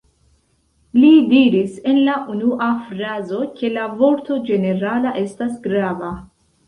Li diris en la unua frazo, ke la vorto ĝenerala estas grava.